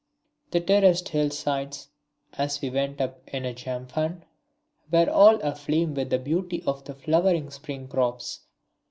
The terraced hill sides, as we went up in a jhampan, were all aflame with the beauty of the flowering spring crops.